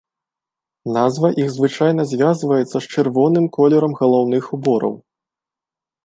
Назва іх звычайна звязваецца з чырвоным колерам галаўных убораў.